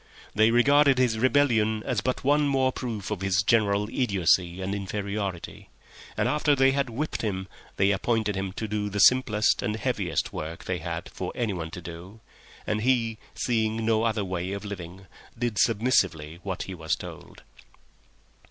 They regarded his rebellion as but one more proof of his general idiocy and inferiority, and after they had whipped him they appointed him to do the simplest and heaviest work they had for anyone to do, and he, seeing no other way of living, did submissively what he was told.